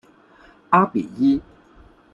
阿比伊。